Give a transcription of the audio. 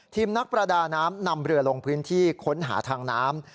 นักประดาน้ำนำเรือลงพื้นที่ค้นหาทางน้ำ